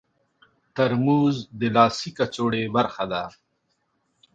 ترموز د لاسي کڅوړې برخه ده.